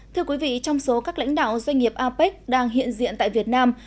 thưa quý vị trong số các lãnh đạo doanh nghiệp apec đang hiện diện tại việt nam